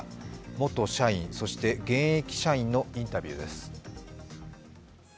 元社員そして現役社員のインタビューです。